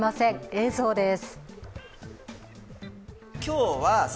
映像です。